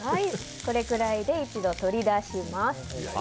これくらいで一度、取り出します。